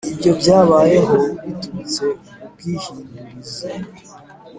Ibyo byabayeho biturutse ku bwihindurize